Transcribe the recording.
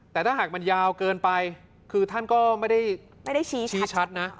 แต่ถ้าหากมันยาวเกินไปคือท่านก็ไม่ได้ชี้ชัดนะ